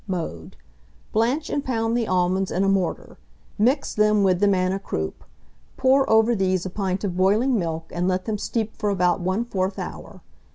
Mode. Blanch and pound the almonds in a mortar; mix them with the manna kroup; pour over these a pint of boiling milk, and let them steep for about 1/4 hour.